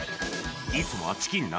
いつもはチキンな